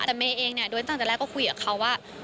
แต่เมย์เองเนี่ยโดยตั้งแต่แรกก็คุยกับเขาว่า